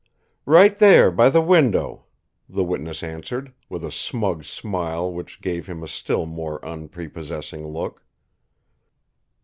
"Right there, by the window," the witness answered, with a smug smile which gave him a still more unprepossessing look.